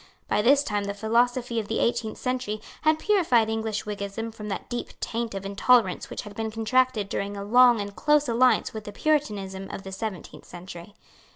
By this time the philosophy of the eighteenth century had purifed English Whiggism from that deep taint of intolerance which had been contracted during a long and close alliance with the Puritanism of the seventeenth century.